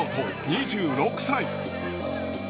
２６歳。